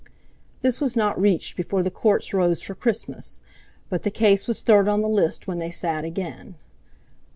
This was not reached before the Courts rose for Christmas, but the case was third on the list when they sat again.